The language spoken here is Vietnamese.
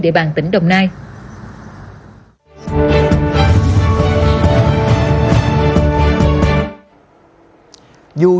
địa bàn tỉnh đồng nai